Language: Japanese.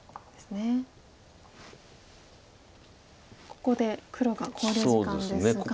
ここで黒が考慮時間ですが。